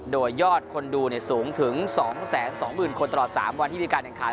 โดยยอดคนดูสูงถึง๒๒๐๐๐คนตลอด๓วันที่มีการแข่งขัน